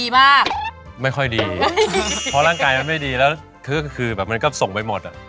ที่เราก็มันไม่ค่อยดีเพราะร่างกายมันไม่ดีแล้วคือมันก็ส่งไปหมด